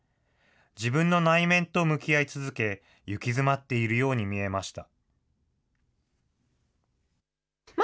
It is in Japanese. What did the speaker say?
自分の内面と向き合い続け、行き詰まっているように見えました。